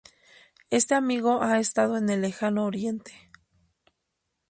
Este amigo ha estado en el Lejano Oriente.